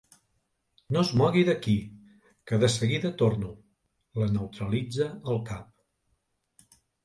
No es mogui d'aquí, que de seguida torno —la neutralitza el cap.